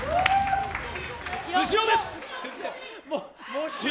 後ろです！